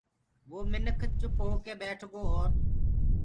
وو مِنک چُپ هوڪي ٻيٺگو اورَ